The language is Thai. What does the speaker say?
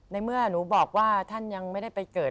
ในเมื่อหนูบอกว่าท่านยังไม่ได้ไปเกิด